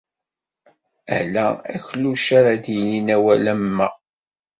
Ala akluc ara d-yinin awal am wa.